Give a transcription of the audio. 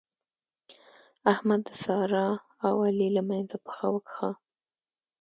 احمد د سارا او علي له منځه پښه وکښه.